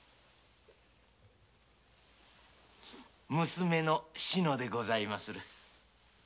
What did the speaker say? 娘の志乃でございまする。